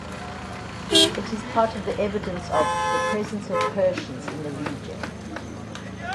It is part of the evidence of "the presence of Persians in the region".